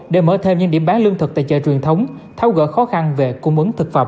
để mở thêm những điểm bán lương thực tại chợ truyền thống thao gỡ khó khăn về cung bướng thực phẩm